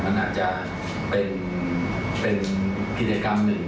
มันอาจจะเป็นกิจกรรมหนึ่ง